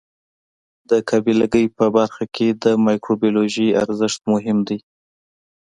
د قابله ګۍ په برخه کې د مایکروبیولوژي ارزښت مهم دی.